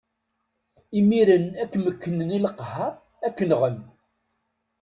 Imiren ad ken-mekknen i leqher, ad ken-nɣen.